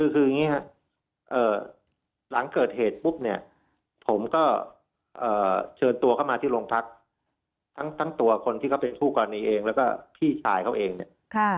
คืออย่างนี้ครับหลังเกิดเหตุปุ๊บเนี่ยผมก็เชิญตัวเข้ามาที่โรงพักทั้งตัวคนที่เขาเป็นคู่กรณีเองแล้วก็พี่ชายเขาเองเนี่ย